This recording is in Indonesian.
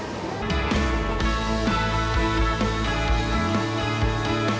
sajian makan sepuasnya alamnya